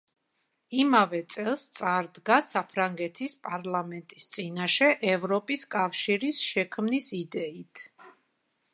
იმავე წელს წარდგა საფრანგეთის პარლამენტის წინაშე ევროპის კავშირის შექმნის იდეით.